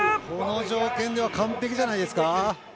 この条件では完璧じゃないですか。